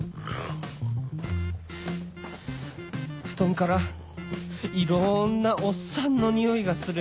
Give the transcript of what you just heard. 布団からいろんなおっさんのにおいがする